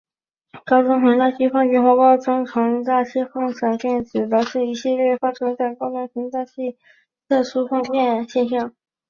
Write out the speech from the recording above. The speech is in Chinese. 中高层大气放电或中高层大气闪电指的是一系列发生在中高层大气的特殊放电现象。